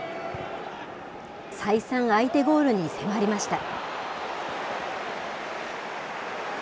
再三、相手ゴールに迫りました。